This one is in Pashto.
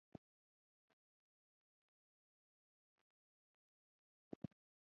له عدمه دې وجود دهسې ورکړ په پښتو ژبه.